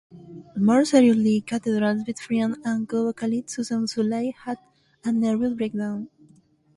More seriously, Catherall's best friend and co-vocalist Susan Sulley had a nervous breakdown.